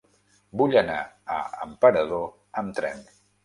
Vull anar a Emperador amb tren.